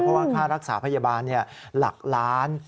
เพราะว่าค่ารักษาพยาบาลหลักล้าน